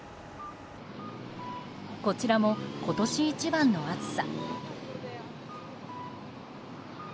こちらも今年一番の暑さ。